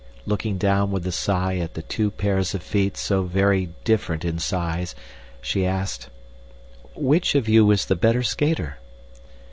Looking down with a sigh at the two pairs of feet so very different in size, she asked: "Which of you is the better skater?"